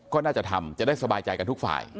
ก็น่าจะทำจะได้สบายใจกันทุกฝ่าย